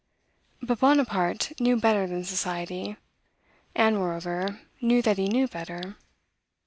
But Bonaparte knew better than society; and, moreover, knew that he knew better.